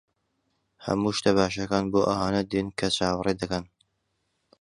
ھەموو شتە باشەکان بۆ ئەوانە دێن کە چاوەڕێ دەکەن.